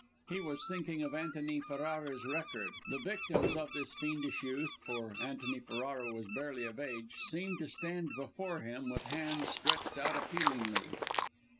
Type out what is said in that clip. He was thinking of Antony Ferrara's record; the victims of this fiendish youth (for Antony Ferrara was barely of age) seemed to stand before him with hands stretched out appealingly.